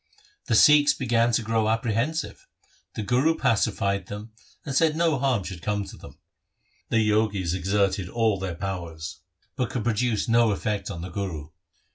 The Sikhs began to grow apprehensive. The Guru pacified them, and said no harm should come to them. The Jogis exerted all their powers, but could produce no effect on the Guru.